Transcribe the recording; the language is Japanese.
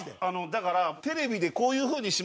だからテレビで「こういう風にしましょう」